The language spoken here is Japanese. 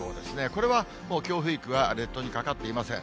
これはもう強風域は列島にかかっていません。